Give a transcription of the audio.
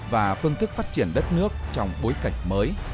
và phương thức phát triển đất nước trong bối cảnh mới